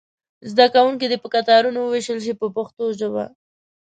زده کوونکي دې په کتارونو وویشل شي په پښتو ژبه.